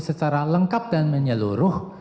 secara lengkap dan menyeluruh